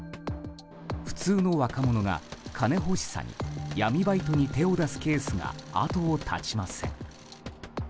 普通の若者が金欲しさに闇バイトに手を出すケースが後を絶ちません。